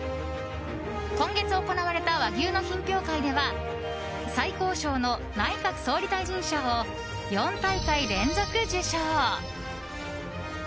今月行われた和牛の品評会では最高賞の内閣総理大臣賞を４大会連続受賞。